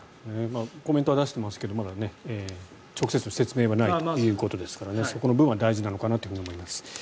コメントは出していますけどまだ直接、説明はないということですからそこの部分は大事なのかなと思います。